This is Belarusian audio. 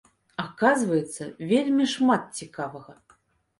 Аказваецца, вельмі шмат цікавага.